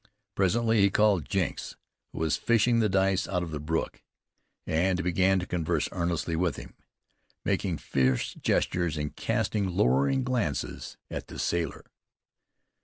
Presently he called Jenks, who was fishing the dice out of the brook, and began to converse earnestly with him, making fierce gestures and casting lowering glances at the sailor.